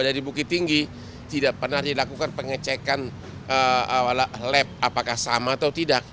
jadi bukit tinggi tidak pernah dilakukan pengecekan lab apakah sama atau tidak